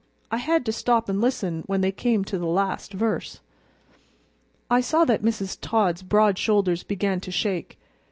I had to stop and listen when they came to the last verse." I saw that Mrs. Todd's broad shoulders began to shake.